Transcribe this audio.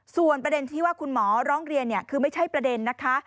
ส่วนประเด็นที่ว่าคุณหมอร้องเรียนคือไม่ใช่ประเด็นนะคะ